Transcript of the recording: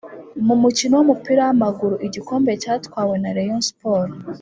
mumukino wumupira wamaguru igikombe cyatwawe na rayon sport